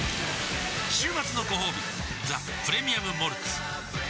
週末のごほうび「ザ・プレミアム・モルツ」